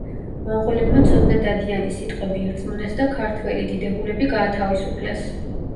მონღოლებმა ცოტნე დადიანის სიტყვები ირწმუნეს და ქართველი დიდებულები გაათავისუფლეს.